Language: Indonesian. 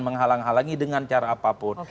menghalang halangi dengan cara apapun